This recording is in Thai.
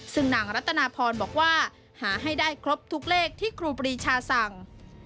ซึ่งนางรัตนาพรบอกว่าหาให้ได้ครบทุกเลขที่ครูปรีชาสั่ง